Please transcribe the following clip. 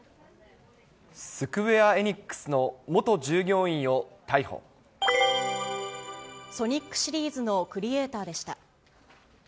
スクウェア・エニックスの元ソニックシリーズのクリエーターでした。